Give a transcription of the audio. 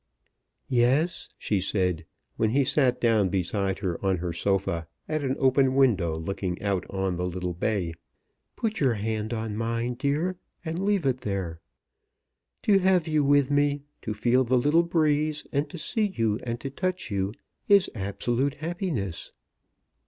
"Yes," she said, when he sat down beside her on her sofa, at an open window looking out on the little bay, "put your hand on mine, dear, and leave it there. To have you with me, to feel the little breeze, and to see you and to touch you is absolute happiness."